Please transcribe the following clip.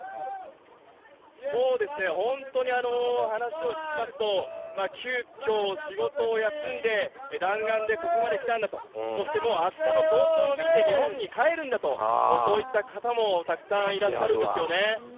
そうですね、本当に話を聞きますと、急きょ、仕事を休んで、弾丸でここまで来たんだと、そしてもうあしたの早朝の便で日本に帰るんだと、そういった方もたくさんいらっしゃるんですよね。